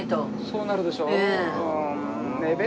そうなるでしょう？